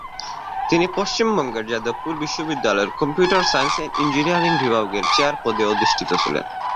তিনি পশ্চিমবঙ্গের যাদবপুর বিশ্ববিদ্যালয়ের কম্পিউটার সায়েন্স এন্ড ইঞ্জিনিয়ারিং বিভাগের চেয়ার পদে অধিষ্ঠিত ছিলেন।